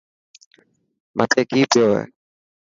مٿي ڪي پيو هي.